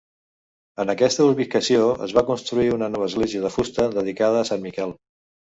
En aquesta ubicació es va construir una nova església de fusta dedicada a Sant Miquel.